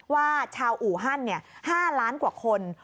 ว่าชาวอู่ฮั่น๕ล้านกว่าคน